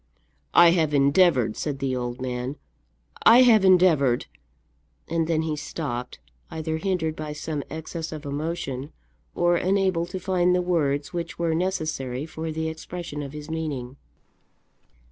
"I have endeavoured," said the old man. "I have endeavoured " And then he stopped, either hindered by some excess of emotion, or unable to find the words which were necessary for the expression of his meaning.